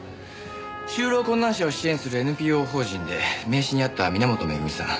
就労困難者を支援するＮＰＯ法人で名刺にあった皆本恵美さん